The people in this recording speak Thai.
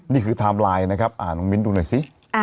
ไทม์ไลน์นะครับน้องมิ้นดูหน่อยสิ